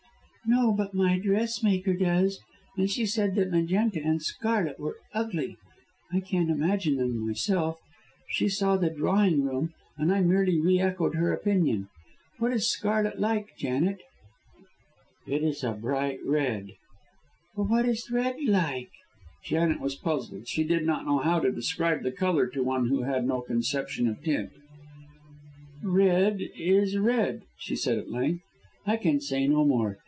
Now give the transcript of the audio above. "No, but my dressmaker does. And she said that magenta and scarlet were ugly. I can't imagine them myself. She saw the drawing room, and I merely re echoed her opinion. What is scarlet like, Janet?" "It is a bright red." "But what is red like?" Janet was puzzled. She did not know how to describe the colour to one who had no conception of tint. "Red is red," she said at length. "I can say no more.